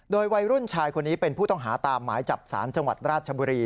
โดยวัยรุ่นชายคนนี้เป็นผู้ต้องหาตามหมายจับสารจังหวัดราชบุรี